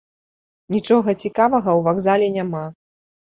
Нічога цікавага ў вакзале няма.